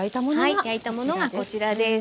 はい焼いたものがこちらです。